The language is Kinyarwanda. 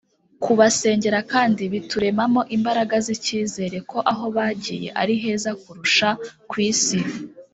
Kubasengera kandi bituremamo imbaraga z’icyizere ko aho bagiye ari heza kurusha ku isi